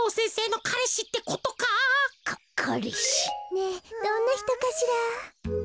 ねえどんなひとかしら？